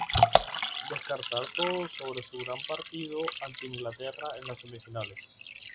Destacar sobre todo su gran partido ante Inglaterra en las semifinales.